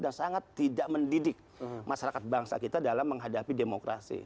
dan sangat tidak mendidik masyarakat bangsa kita dalam menghadapi demokrasi